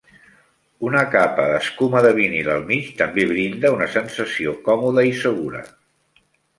Una capa d'escuma de vinil al mig també brinda una sensació còmoda i segura.